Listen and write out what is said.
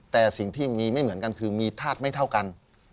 แต่สิ่งที่มีไม่เหมือนกันคือมีธาตุไม่เท่ากัน